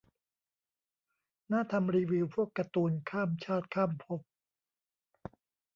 น่าทำรีวิวพวกการ์ตูนข้ามชาติข้ามภพ